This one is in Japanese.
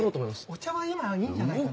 お茶は今いいんじゃないかな。